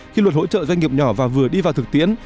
khi luật hỗ trợ doanh nghiệp nhỏ và vừa đi vào thực tiễn